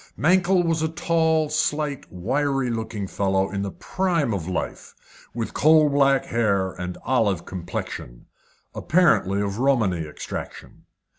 Mankell was a tall, slight, wiry looking fellow in the prime of life, with coal black hair and olive complexion apparently of Romany extraction.